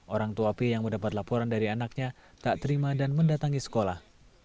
orang tua p yang mendapat laporan dari anaknya tak terima dan mendatangi sekolah